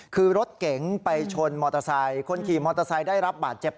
คือรถเก๋งไปชนมอเตอร์ไซค์คนขี่มอเตอร์ไซค์ได้รับบาดเจ็บ